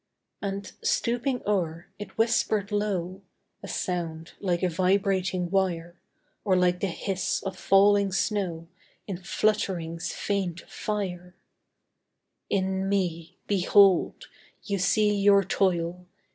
And, stooping o'er, it whispered low A sound like a vibrating wire, Or like the hiss of falling snow In flutterings faint of fire: "In me, behold, you see your toil!